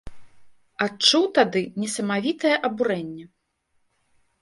Адчуў тады несамавітае абурэнне!